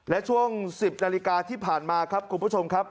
และช่วง๑๐นาฬิกาที่ผ่านมาครับคุณผู้ชมครับ